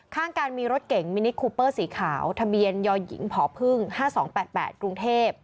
ข้างกันมีรถเก่งมินิคูเปอร์สีขาวทะเบียนยหญิงพพ๕๒๘๘กรุงเทพ